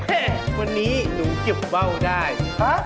เฮ่ยวันนี้หนูเก็บเว้าได้ฮะ